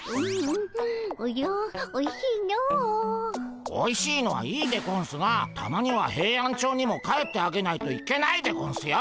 おじゃおいしいのう。おいしいのはいいでゴンスがたまにはヘイアンチョウにも帰ってあげないといけないでゴンスよ。